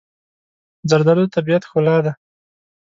زردالو د طبیعت ښکلا ده.